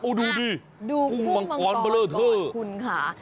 โอ้ดูดิดูกุ้งมังก้อนเบลอเทอร์คุณค่ะ